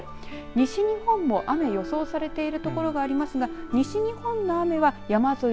西日本も雨、予想されている所がありますが西日本の雨は山沿い